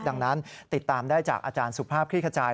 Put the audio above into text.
ดังนั้นติดตามได้จากอาจารย์สุภาพคลี่ขจาย